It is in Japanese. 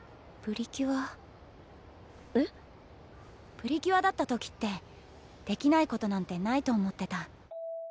プリキュアだった時ってできないことなんてないと思ってた。